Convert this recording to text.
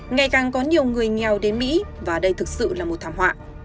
ngày càng có nhiều người nghèo đến mỹ và đây thực sự là một thảm họa